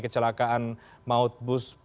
kecelakaan maut bus